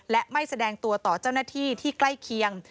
และไม่แสดงตัวต่อเจ้าหน้าที่ที่ใกล้เคียง